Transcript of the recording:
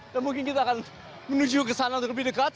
dan mungkin kita akan menuju ke sana untuk lebih dekat